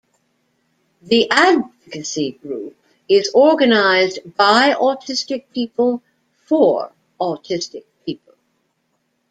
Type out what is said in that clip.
The advocacy group is organized by autistic people for autistic people.